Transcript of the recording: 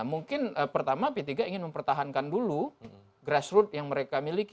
mungkin pertama p tiga ingin mempertahankan dulu grassroot yang mereka miliki